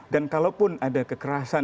dan kalaupun ada kekerasan misalnya di surabaya